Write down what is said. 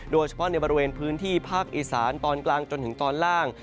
โดยเฉพาะในบริเวณพื้นที่ภาคอีสานตอนกลางจนถึงตอนล่าง